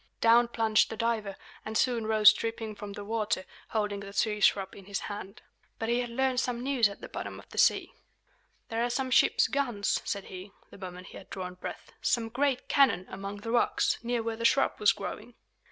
Down plunged the diver, and soon rose dripping from the water, holding the sea shrub in his hand. But he had learned some news at the bottom of the sea. "There are some ship's guns," said he, the moment he had drawn breath, "some great cannon, among the rocks, near where the shrub was growing."